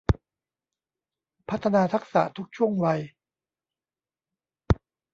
พัฒนาทักษะทุกช่วงวัย